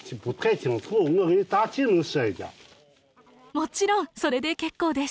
もちろんそれで結構です！